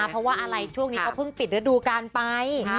เพราะว่าอะไรช่วงนี้เขาเพิ่งปิดฤดูการไป